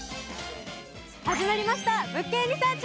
始まりました、「物件リサーチ」。